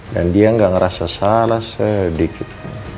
dan dia gak ngerasa salah sedikit